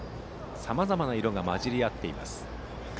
さまざまな色が交じり合っています。